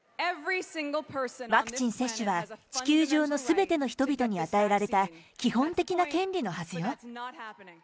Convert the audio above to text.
ワクチン接種は、地球上のすべての人々に与えられた基本的な権利のはずよ。